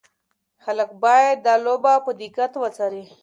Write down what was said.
خلک باید دا لوبه په دقت وڅاري.